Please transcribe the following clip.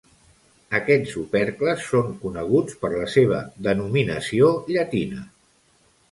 Aquest opercles són coneguts per la seva denominació llatina.